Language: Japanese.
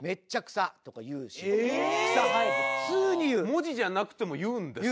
文字じゃなくても言うんですか？